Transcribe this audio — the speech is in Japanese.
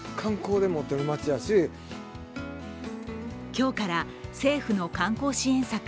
今日から政府の観光支援策